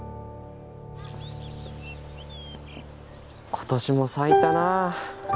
今年も咲いたな。